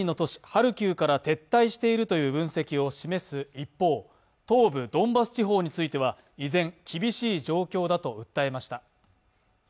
ハルキウから撤退しているという分析を示す一方、東部ドンバス地方については依然、厳しい状況だと訴えました。